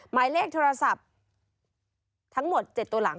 หมายเลขโทรศัพท์ทั้งหมด๗ตัวหลัง